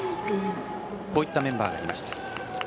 こういったメンバーがいました。